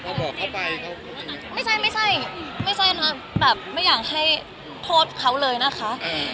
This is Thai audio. เขาบอกเขาไปเขาก็ไม่ใช่ไม่อยากให้โทษเขาเลยนะคะ